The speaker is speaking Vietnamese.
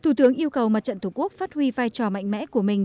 thủ tướng yêu cầu mặt trận tổ quốc phát huy vai trò mạnh mẽ của mình